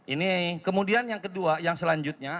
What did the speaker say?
ini kemudian yang kedua yang selanjutnya